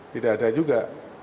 tidak ada juga